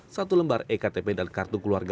satu lembar ektp dan kartu keluarga